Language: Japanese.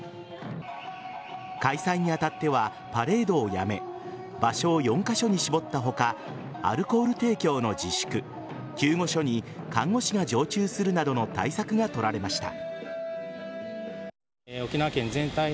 開催にあたってはパレードをやめ場所を４カ所に絞った他アルコール提供の自粛救護所に看護師が常駐するなどの対策がとられました。